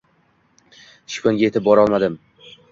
Shiyponga yetib borolmadim